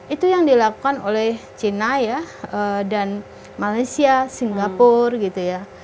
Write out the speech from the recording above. itu yang dilakukan oleh china ya dan malaysia singapura gitu ya